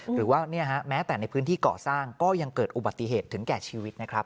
หรือว่าแม้แต่ในพื้นที่ก่อสร้างก็ยังเกิดอุบัติเหตุถึงแก่ชีวิตนะครับ